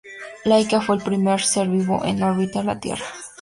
Laika fue el primer ser vivo en orbitar la Tierra.